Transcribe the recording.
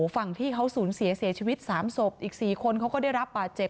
ฝั่งที่เขาสูญเสียเสียชีวิต๓ศพอีก๔คนเขาก็ได้รับบาดเจ็บ